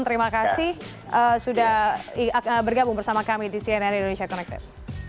terima kasih sudah bergabung bersama kami di cnn indonesia connected